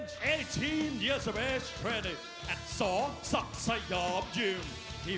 เกียรติศาสตร์ประเทศ๑๘ปี